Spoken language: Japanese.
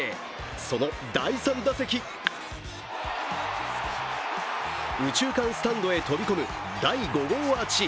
その第３打席右中間スタンドへ飛び込む第５号アーチ。